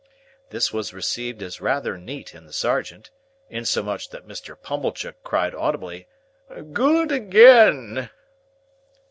This was received as rather neat in the sergeant; insomuch that Mr. Pumblechook cried audibly, "Good again!"